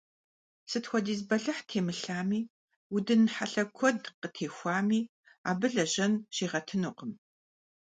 Сыт хуэдиз бэлыхь темылъами, удын хьэлъэ куэд къытехуами, абы лэжьэн щигъэтынукъым.